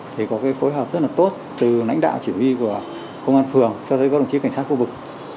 thì có cái phối hợp rất là tốt từ lãnh đạo chỉ huy của công an phường cho tới các đồng chí cảnh sát khu vực